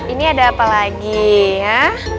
ini ada apa lagi ya